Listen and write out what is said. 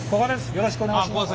よろしくお願いします。